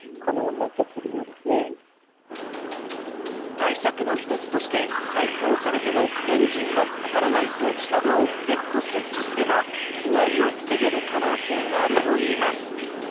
対策の１つとして細工をされてもエンジンがかからない装置などを別途設置すれば被害を防げる可能性があるといいます。